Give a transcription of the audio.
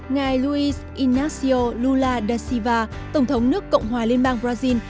ngài luiz inácio lula da silva tổng thống nước cộng hòa liên bang brazil